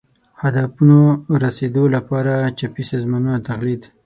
هدفونو رسېدو لپاره چپي سازمانونو تقلید